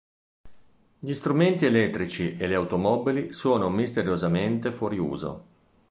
Gli strumenti elettrici e le automobili sono misteriosamente fuori uso.